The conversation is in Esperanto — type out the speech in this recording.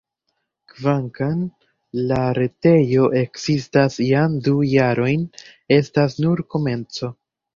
Kvankam la retejo ekzistas jam du jarojn, estas nur komenco.